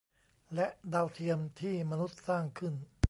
และดาวเทียมที่มนุษย์สร้างขึ้น